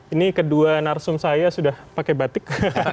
ini kedua narsum saya sudah pakai batik